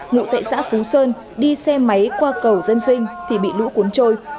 ngụ tệ xã phú sơn đi xe máy qua cầu dân sinh thì bị lũ cuốn trôi